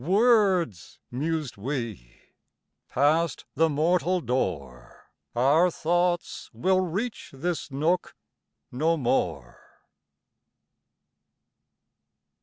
... "Words!" mused we. "Passed the mortal door, Our thoughts will reach this nook no more."